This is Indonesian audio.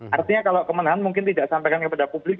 artinya kalau kemenangan mungkin tidak disampaikan kepada publik